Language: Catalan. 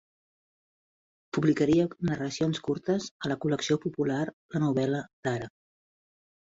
Publicaria narracions curtes a la col·lecció popular La Novel·la d'Ara.